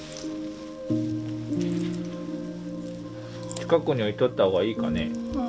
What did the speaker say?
近くに置いとった方がいいかね。